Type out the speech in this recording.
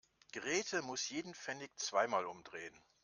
Grete muss jeden Pfennig zweimal umdrehen.